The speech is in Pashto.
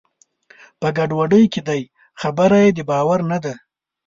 په ګډوډۍ کې دی؛ خبره یې د باور نه ده.